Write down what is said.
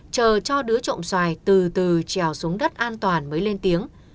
chờ cho đứa trộm xoài từ từ trèo xuống đất an toàn mới lên tiếng